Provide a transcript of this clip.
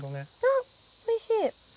あっおいしい。